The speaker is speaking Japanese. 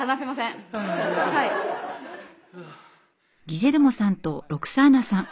ギジェルモさんとロクサーナさん。